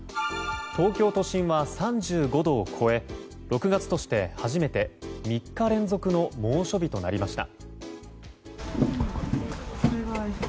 東京都心は３５度を超え６月として初めて３日連続の猛暑日となりました。